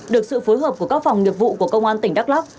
được sự phối hợp của các phòng nghiệp vụ của công an tỉnh đắk lắc